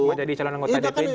masuk menjadi calon anggota dpd